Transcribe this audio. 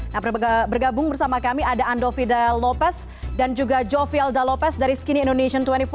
nah bergabung bersama kami ada andovi da lopez dan juga jovial da lopez dari skinny indonesia dua puluh empat